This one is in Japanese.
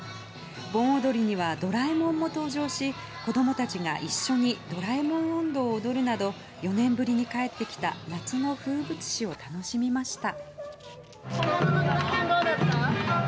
盆踊りにはドラえもんも登場し子供たちが一緒に「ドラえもん音頭」を踊るなど４年ぶりに帰ってきた夏の風物詩を楽しみました。